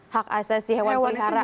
hak asasi hewan peliharaan